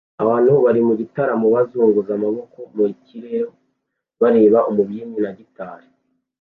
Abantu bari mu gitaramo bazunguza amaboko mu kirere bareba umuririmbyi na gitari